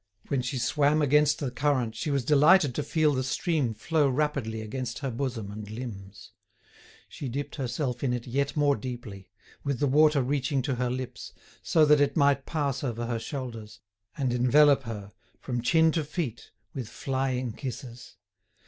When she swam against the current she was delighted to feel the stream flow rapidly against her bosom and limbs. She dipped herself in it yet more deeply, with the water reaching to her lips, so that it might pass over her shoulders, and envelop her, from chin to feet, with flying kisses.